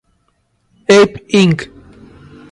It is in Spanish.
Ape Inc.